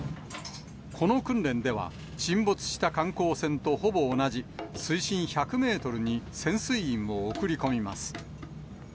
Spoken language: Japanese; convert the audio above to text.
この訓練では、沈没した観光船とほぼ同じ水深１００メートルに潜水員を送り込みます。